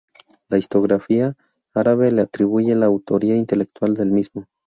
La historiografía árabe le atribuye la autoría intelectual del mismo.